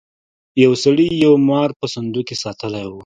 یو سړي یو مار په صندوق کې ساتلی و.